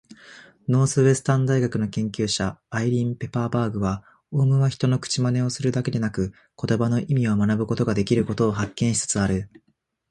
ノースウエスタン大学の研究者、アイリーン・ペパーバーグは、オウムは人の口まねをするだけでなく言葉の意味を学ぶことができることを発見しつつある。